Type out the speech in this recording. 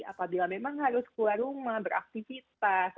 apabila memang harus keluar rumah beraktivitas